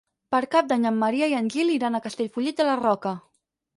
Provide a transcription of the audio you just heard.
Per Cap d'Any en Maria i en Gil iran a Castellfollit de la Roca.